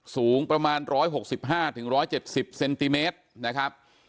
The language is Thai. สูงประมาณ๑๖๕๑๗๐เซนติเมตรนะครับ